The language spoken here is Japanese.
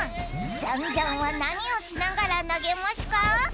ジャンジャンはなにをしながらなげましゅか？